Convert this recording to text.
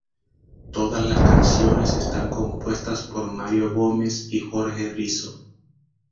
Todas las canciones están compuestas por Mario Gómez y Jorge Risso.